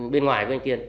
bên ngoài của anh kiên